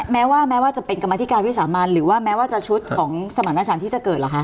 แม้ว่าจะเป็นกรรมธิกายพิสามาลหรือว่าแม้ว่าจะชุดของสมันต์นาศาลที่จะเกิดหรือคะ